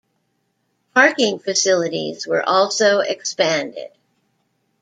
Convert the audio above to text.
Parking facilities were also expanded.